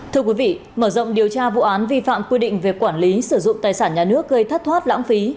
thưa quý vị mở rộng điều tra vụ án vi phạm quy định về quản lý sử dụng tài sản nhà nước gây thất thoát lãng phí